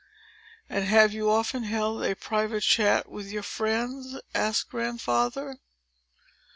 "And have you often held a private chat with your friends?" asked Grandfather.